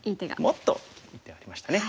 もっといい手ありましたね。